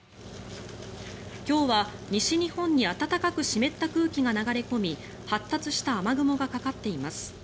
今日は西日本に暖かく湿った空気が流れ込み発達した雨雲がかかっています。